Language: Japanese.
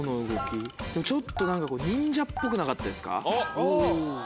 ちょっと何かこう忍者っぽくなかったですか。